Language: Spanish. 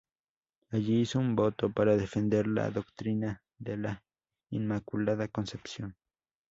Allí hizo un voto para defender la doctrina de la Inmaculada Concepción.